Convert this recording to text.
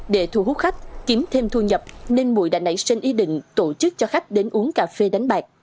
để thu hút khách kiếm thêm thu nhập nên mụi đã nảy sinh ý định tổ chức cho khách đến uống cà phê đánh bạc